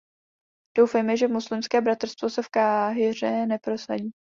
Doufejme, že Muslimské bratrstvo se v Káhiře neprosadí.